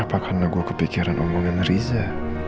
apa karena gue kepikiran omongan riza